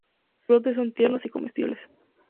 Los brotes son tiernos y comestibles.